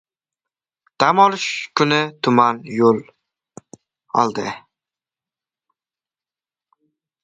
Dam olish kuni tuman yo‘l oldi.